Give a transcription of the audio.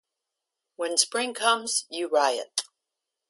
When spring comes, you riot.